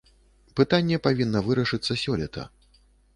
Пытанне павінна вырашыцца сёлета.